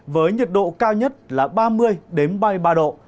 với nhiệt độ cao nhất là ba mươi ba mươi ba độ